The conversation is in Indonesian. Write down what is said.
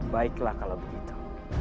baiklah kalau begitu